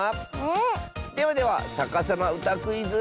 ではでは「さかさまうたクイズ」。